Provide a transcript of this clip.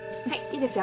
いいですよ。